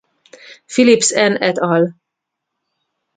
Philips N et al.